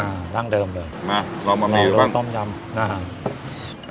อ่าด้านเดิมเลยมารอบมะมีหรือเปล่ารอบรสต้มยำอ่า